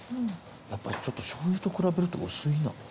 やっぱりちょっとしょうゆと比べると薄いな。